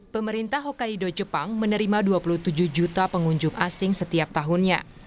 pemerintah hokkaido jepang menerima dua puluh tujuh juta pengunjung asing setiap tahunnya